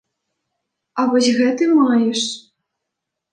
А вось гэты маеш.